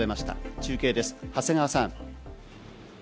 中継です、長谷川さん。